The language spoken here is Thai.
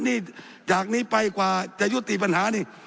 นี่ใจอย่างนี้ไปกว่าจะยุดตีปัญหานี่